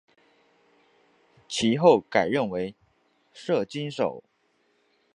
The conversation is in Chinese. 其后改任为摄津守。